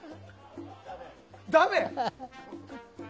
ダメ？